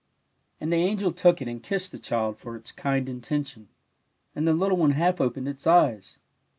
And the angel took it and kissed the child for its kind intention, and the little one half opened its eyes.